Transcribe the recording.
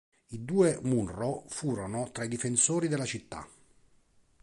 I due Munro furono tra i difensori della città.